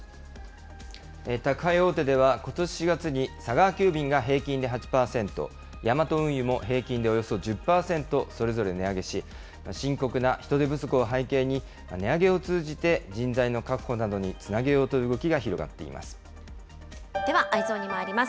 宅配大手では、ことし４月に佐川急便が平均で８％、ヤマト運輸も平均でおよそ１０％それぞれ値上げし、深刻な人手不足を背景に、値上げを通じて人材の確保などにつなげようという動きが広がってではＥｙｅｓｏｎにまいります。